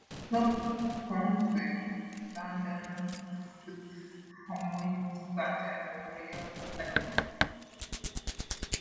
He helped to found the London Philharmonic Society and the Royal Academy of Music.